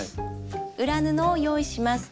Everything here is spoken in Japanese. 裏布を用意します。